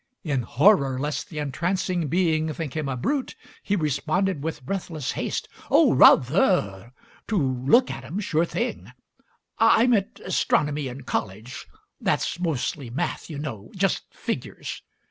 In horror lest the entrancing being think him a brute, he responded with breathless haste: "Oh, rath er r! To look at 'em, sure thing! I meant astronomy in college; that's mostly math, you know — just figures.